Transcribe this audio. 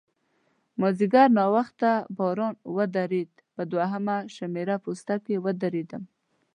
مازیګر ناوخته باران ودرېد، په دوهمه شمېره پوسته کې ودرېدم.